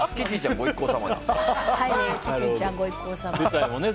御一行様。